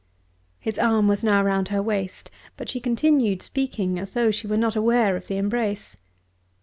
His arm was now round her waist, but she continued speaking as though she were not aware of the embrace.